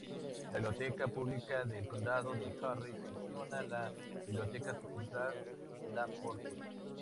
La Biblioteca Pública del Condado de Harris gestiona la Biblioteca Sucursal La Porte.